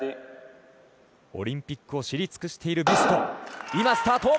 オリンピックを知り尽くしているビュスト。